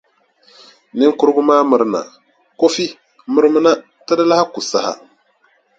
Niŋkurugu maa mirina. Kofi mirimina, ti di lahi ku saha.